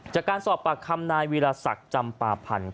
จากการสอบปากคำนายวีรศักดิ์จำปาพันธ์